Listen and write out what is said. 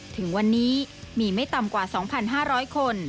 ถึงวันนี้มีไม่ต่ำกว่า๒๕๐๐คน